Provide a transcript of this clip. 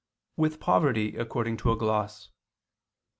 "with poverty," according to a gloss.